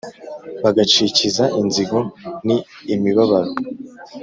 bagacikiza inzigo ni imibabaro